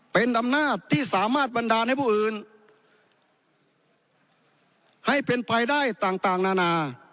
เป็นอำนาจที่สามารถบันดาลให้ผู้อื่นให้เป็นไปได้ต่างต่างนานา